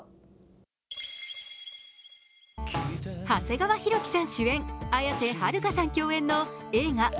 長谷川博己さん主演、綾瀬はるかさん共演の映画